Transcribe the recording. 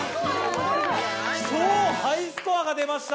超ハイスコアが出ました。